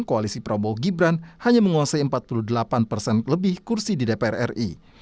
koalisi prabowo gibran hanya menguasai empat puluh delapan persen lebih kursi di dpr ri